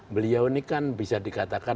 beliau ini kan bisa dikatakan